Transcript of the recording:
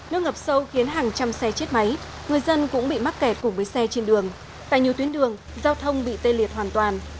nước ngập sâu khiến hàng trăm xe chết máy người dân cũng bị mắc kẹt cùng với xe trên đường tại nhiều tuyến đường giao thông bị tê liệt hoàn toàn